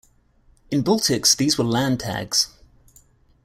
In Baltics these were Landtags.